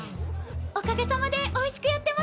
おかげさまでおいしくやってます。